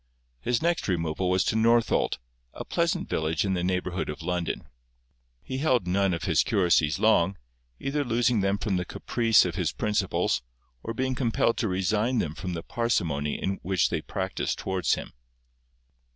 His next removal was to Northolt, a pleasant village in the neighbourhood of London. He held none of his curacies long, either losing them from the caprice of his principals, or being compelled to resign them from the parsimony which they practised towards him.